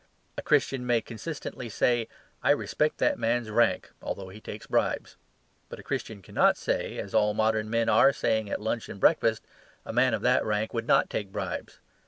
A Christian may consistently say, "I respect that man's rank, although he takes bribes." But a Christian cannot say, as all modern men are saying at lunch and breakfast, "a man of that rank would not take bribes."